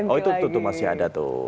oh itu masih ada tuh